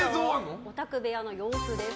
オタク部屋の様子です。